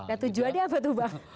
nah tujuan dia apa tuh bang